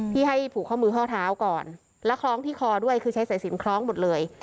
ที่ให้ผูกข้อมือข้อเท้าก่อนแล้วคล้องที่คอด้วยคือใช้สายสินคล้องหมดเลย